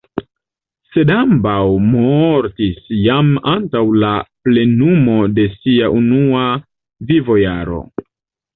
Sed ambaŭ mortis jam antaŭ la plenumo de sia unua vivojaro.